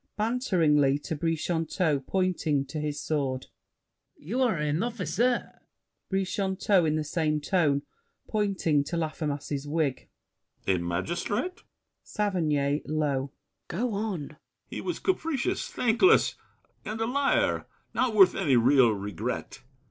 [Banteringly to Brichanteau, pointing to his sword. You are an officer? BRICHANTEAU (in the same tone, pointing to Laffemas's wig). A magistrate? SAVERNY (low). Go on! BRICHANTEAU. He was capricious, thankless, and A liar: not worth any real regret.